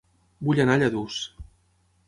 Vull anar a Lladurs